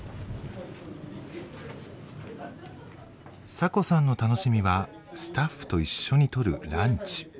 サコさんの楽しみはスタッフと一緒にとるランチ。